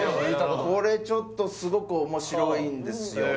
これちょっとすごくおもしろいんですよ